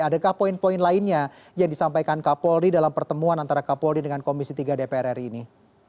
adakah poin poin lainnya yang disampaikan kak polri dalam pertemuan antara kak polri dengan komisi tiga dpr ri ini